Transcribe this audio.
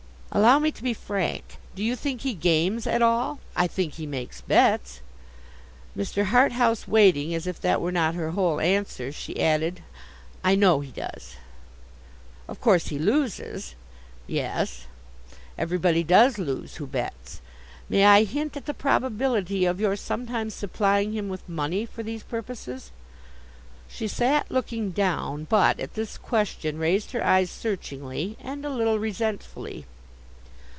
'Allow me to be frank. Do you think he games at all?' 'I think he makes bets.' Mr. Harthouse waiting, as if that were not her whole answer, she added, 'I know he does.' 'Of course he loses?' 'Yes.' 'Everybody does lose who bets. May I hint at the probability of your sometimes supplying him with money for these purposes?' She sat, looking down; but, at this question, raised her eyes searchingly and a little resentfully.